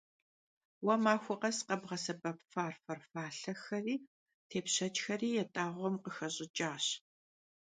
Vue maxue khes khebğesebep farfor falhexeri têpşşeçxeri yat'ağuem khıxeş'ıç'aş.